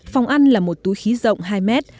phòng ăn là một túi khí rộng hai mét